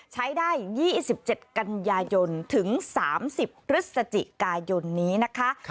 ใช้ได้๒๗กันยายนถึง๓๐พฤศจิกายนนี้นะคะ